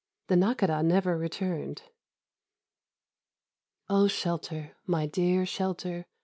The Nakhôdah never returned. "'Oh, shelter! my dear shelter!